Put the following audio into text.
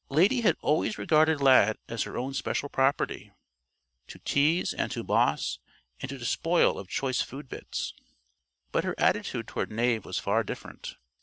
Lady had always regarded Lad as her own special property to tease and to boss and to despoil of choice food bits. But her attitude toward Knave was far different.